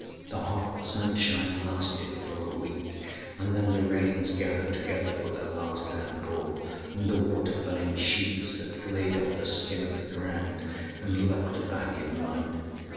â The hot sunshine lasted for a week, and then the rains gathered together for their last downpour, and the water fell in sheets that flayed off the skin of the ground and leaped back in mud.